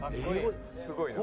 すごいな」